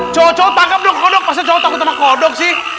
cowok cowok tanggep dong kodok pasal cowok takut sama kodok sih